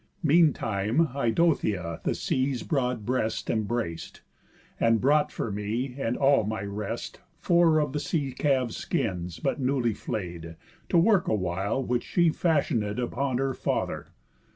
Mean time Idothea the sea's broad breast Embrac'd, and brought for me, and all my rest, Four of the sea calves' skins but newly flay'd, To work a wile which she had fashionéd Upon her father.